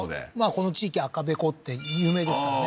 この地域赤べこって有名ですからね